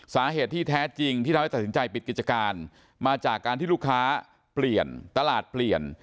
สาเหตุที่แท้จริงที่ทำให้ตัดสินใจปิดกิจการมาจากการที่ลูกค้าเปลี่ยนตลาดเปลี่ยน